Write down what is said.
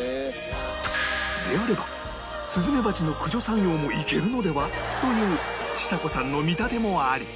であればスズメバチの駆除作業もいけるのでは？というちさ子さんの見立てもあり